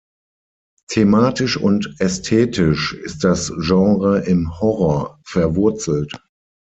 Thematisch und ästhetisch ist das Genre im Horror verwurzelt.